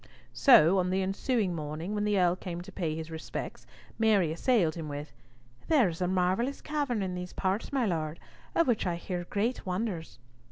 So on the ensuing morning, when the Earl came to pay his respects, Mary assailed him with, "There is a marvellous cavern in these parts, my Lord, of which I hear great wonders."